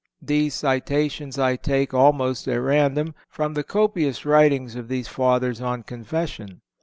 These citations I take, almost at random, from the copious writings of these Fathers on Confession.